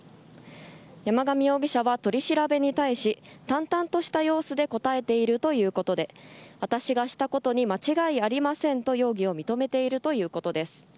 山上容疑者は取り調べに対し淡々とした様子で答えているということで私がしたことに間違いありませんと容疑を認めているということです。